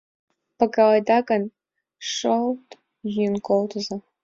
Пагаледа гын, шолт йӱын колтыза